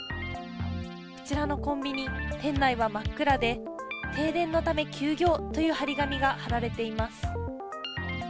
こちらのコンビニ店内は真っ暗で停電のため休業という貼り紙が貼られています。